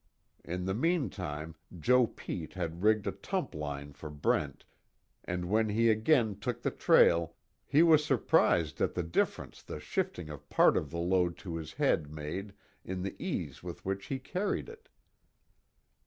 In the meantime Joe Pete had rigged a tump line for Brent, and when he again took the trail he was surprised at the difference the shifting of part of the load to his head made in the ease with which he carried it.